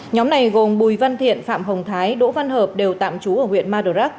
nhóm này gồm bùi văn thiện phạm hồng thái đỗ văn hợp đều tạm trú ở huyện madurak